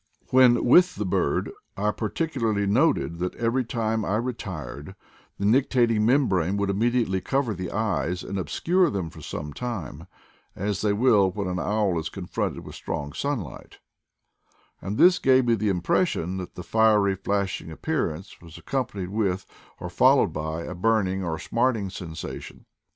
When with the bird, I particularly noticed that every time I retired the nictitating membrane would immediately cover the eyes and obscure them for some time, as they will when an owl is confronted with strong sunlight; and this gave me the impression that the fiery, flashing appear ance was accompanied with, or followed by, a burning or smarting sensation.